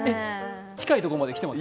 近いとこまできてます？